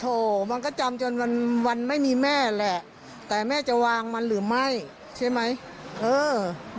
โถมันก็จำจนวันวันไม่มีแม่แหละแต่แม่จะวางมันหรือไม่ใช่ไหมเออ